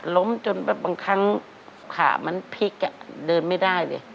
ล้มจนแบบบางครั้งขามันพลิกเดินไม่ได้เลย